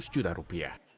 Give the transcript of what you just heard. lima ratus juta rupiah